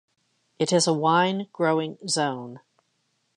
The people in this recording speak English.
It is a wine-growing zone.